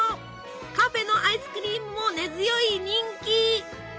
カフェのアイスクリームも根強い人気！